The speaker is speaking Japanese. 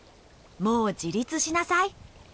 「もう自立しなさい」。